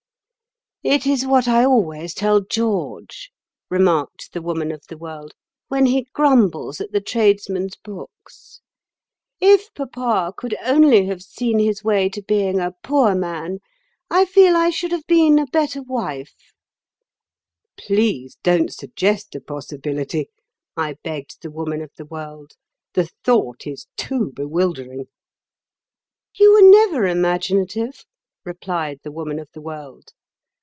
"It is what I always tell George," remarked the Woman of the World, "when he grumbles at the tradesmen's books. If Papa could only have seen his way to being a poor man, I feel I should have been a better wife." "Please don't suggest the possibility," I begged the Woman of the World; "the thought is too bewildering." "You were never imaginative," replied the Woman of the World.